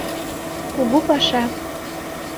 Кугу пашан